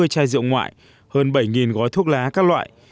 một trăm tám mươi chai rượu ngoại hơn bảy gói thuốc lá các loại